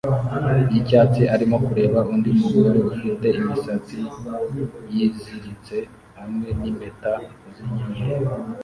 yicyatsi arimo kureba undi mugore ufite imisatsi yiziritse hamwe nimpeta zinyenyeri